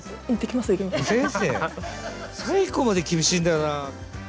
最後まで厳しいんだよな。